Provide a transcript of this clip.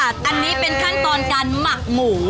เริ่มเลยค่ะอันนี้เป็นขั้นตอนการหมักหมู